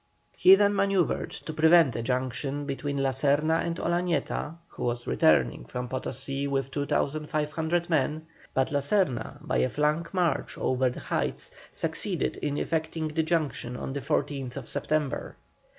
He then manœuvred to prevent a junction between La Serna and Olañeta, who was returning from Potosí with 2,500 men, but La Serna by a flank march over the heights succeeded in effecting the junction on the 14th September.